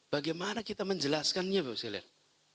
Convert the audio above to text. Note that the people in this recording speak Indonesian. bagaimana kita menjelaskannya pak pak sekarang